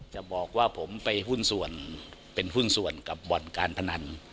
จะบอกว่าผมไปหุ้นส่วนเป็นหุ้นส่วนกับบ่อนการพนัน